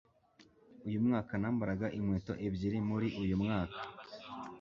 Uyu mwaka nambaraga inkweto ebyiri muri uyu mwaka.